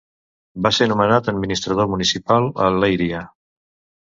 Va ser nomenat administrador municipal a Leiria.